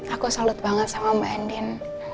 aku salut banget sama mbak andin